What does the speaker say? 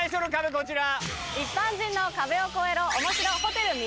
こちら。